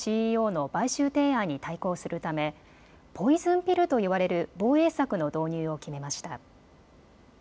ＣＥＯの買収提案に対抗するためポイズンピルと呼ばれる防衛策の導入を決めました。